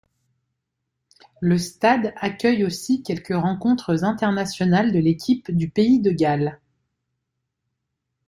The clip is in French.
Le stade accueille aussi quelques rencontres internationales de l'équipe du pays de Galles.